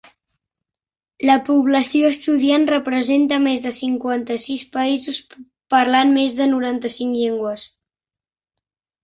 La població estudiant representa més de cinquanta-sis països parlant més de noranta-cinc llengües.